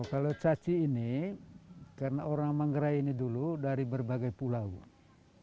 kalau caci ini karena orang manggarai ini dulu dari berbagai pulau yang lebih banyak itu sulawesi dan sumatera